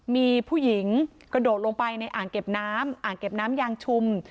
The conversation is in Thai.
มีผู้หญิงกระโดดลงไปในอ่างเก็บน้ำอ่างเก็บน้ำยางชุม